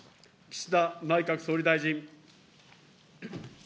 岸田内閣総理大臣。